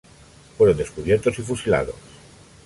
Fueron descubiertos y fusilados.